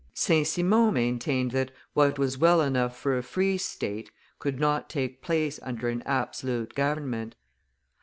St. Simon maintained that what was well enough for a free state, could not take place under an absolute government.